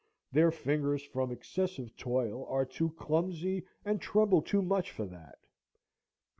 Their fingers, from excessive toil, are too clumsy and tremble too much for that.